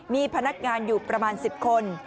มีพนักงานอยู่ประมาณ๑๐คน